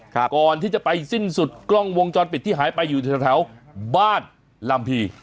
ก่อนที่จะไปสิ้นสุดกล้องวงจรปิดที่หายไปอยู่แถวแถวบ้านลำพี